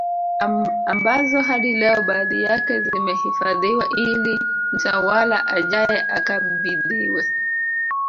Ambazo hadi leo baadhi yake zimehifadhiwa ili mtawala ajaye akabidhiwe